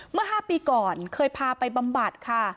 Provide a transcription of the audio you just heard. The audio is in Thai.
เมื่อ๕ปีก่อนเคยพาไปบำบัดค่ะ